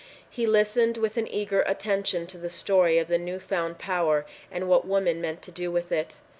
He listened with an eager attention to the story of the new found power and what women meant to do with it.